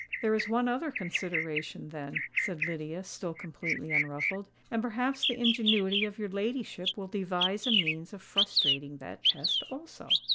"There is one other consideration, then," said Lydia, still completely unruffled: "and perhaps the ingenuity of your ladyship will devise a means of frustrating that test also."